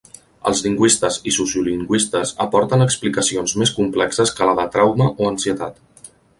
Els lingüistes i sociolingüistes aporten explicacions més complexes que la de "trauma" o "ansietat".